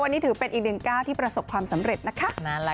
วันนี้ถือเป็นอีกหนึ่งก้าวที่ประสบความสำเร็จนะคะ